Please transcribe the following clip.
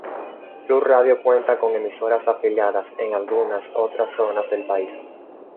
Blu Radio cuenta con emisoras afiliadas en algunas otras zonas del país.